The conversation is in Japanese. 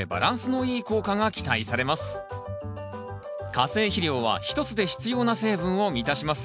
化成肥料は１つで必要な成分を満たします。